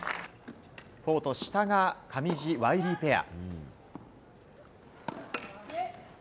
コート下が上地、ワイリーペア。